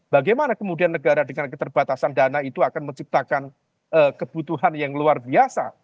bagaimana kemudian negara dengan keterbatasan dana itu akan menciptakan kebutuhan yang luar biasa